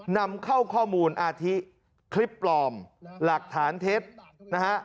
นำเข้าข้อมูลอาทิคลิปปลอมหลักฐานเท็จนะฮะ